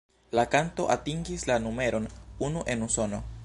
La kanto atingis la numeron unu en Usono.